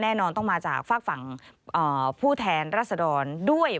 แน่นอนต้องมาจากฝากฝั่งผู้แทนรัศดรด้วย